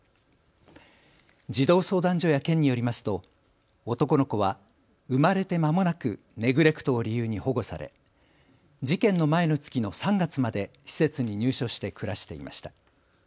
児童相談所や県によりますと男の子は生まれてまもなくネグレクトを理由に保護され事件の前の月の３月まで施設に入所して暮らしていました。